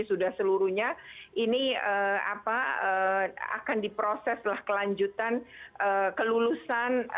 sudah seluruhnya ini akan diproses lah kelanjutan kelulusan